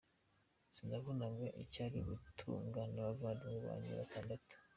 Sinabonaga icyari gutunga n’abavandimwe banjye batandatu.